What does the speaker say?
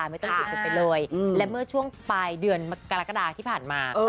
ไม่ต้องหยุดกันไปเลยและเมื่อช่วงปลายเดือนกรกฎาที่ผ่านมา